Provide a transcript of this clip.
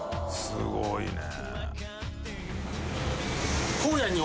すごいね。